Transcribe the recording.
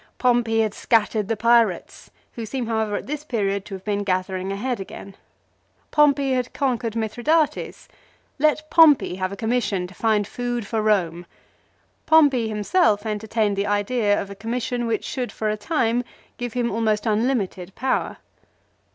Pompey had scattered the pirates, who seem however at this period to have been gathering ahead again. Pompey had conquered Mithridates. Let Pompey have a commission to find food for Rome. Pompey himself enter tained the idea of a commission which should for a time give him almost unlimited power.